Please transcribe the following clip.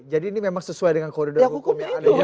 jadi ini memang sesuai dengan koridor hukum